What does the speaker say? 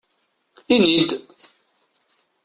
Ini-d!